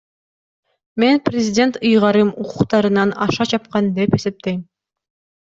Мен президент ыйгарым укуктарынан аша чапкан деп эсептейм.